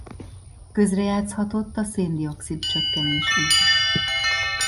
Közrejátszhatott a szén-dioxid csökkenés is.